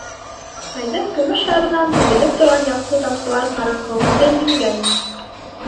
Айҙың көмөш шарынан түгелеп торған яҡты тамсылар ҡараңғылыҡты еңгән ине.